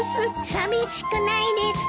寂しくないですか？